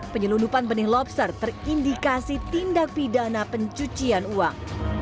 penyelundupan benih lobster terindikasi tindak pidana pencucian uang